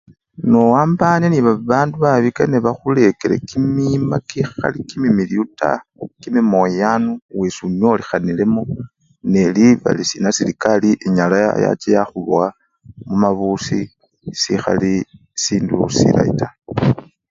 Nowambane nende bandu babai kene bakhulekele kimima kihali kimimiliyu taa, kimimoyanu, wesi-onyolekhanilemo neli balisina serekari enyala yacha yakhuboya mumabusi sikhali sindu silayi taa.